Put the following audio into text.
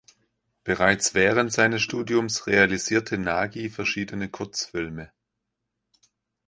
Bereits während seines Studiums realisierte Nagy verschiedene Kurzfilme.